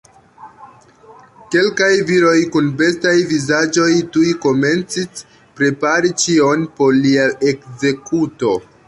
Kelkaj viroj kun bestaj vizaĝoj tuj komencis prepari ĉion por lia ekzekuto.